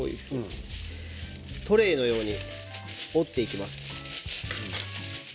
トレーのように折っていきます。